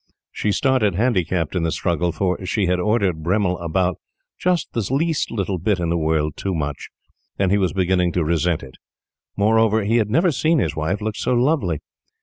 She started handicapped in the struggle, for she had ordered Bremmil about just the least little bit in the world too much; and he was beginning to resent it. Moreover, he had never seen his wife look so lovely.